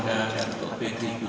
keluarga dan untuk petinggu